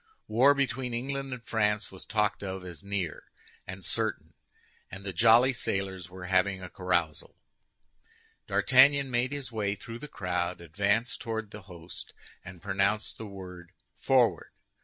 War between England and France was talked of as near and certain, and the jolly sailors were having a carousal. D'Artagnan made his way through the crowd, advanced toward the host, and pronounced the word "Forward!"